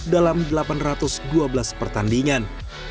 dalam delapan ratus dua belas pertandingan